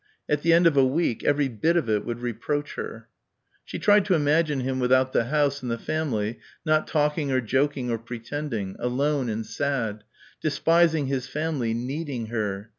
At the end of a week every bit of it would reproach her. She tried to imagine him without the house and the family, not talking or joking or pretending ... alone and sad ... despising his family ... needing her.